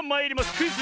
クイズ